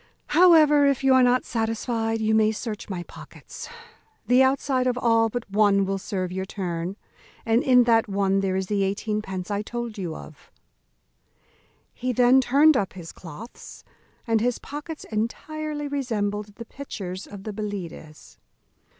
However, if you are not satisfied, you may search my pockets; the outside of all but one will serve your turn, and in that one there is the eighteen pence I told you of." He then turned up his cloaths; and his pockets entirely resembled the pitchers of the Belides.